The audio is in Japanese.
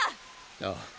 ああ！